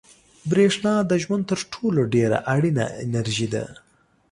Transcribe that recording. برېښنا د ژوند تر ټولو ډېره اړینه انرژي ده.